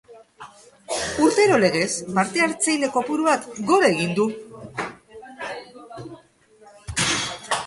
Urtero legez, parte-hartzaile kopuruak gora egin du.